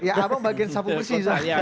ya abang bagian sapu besi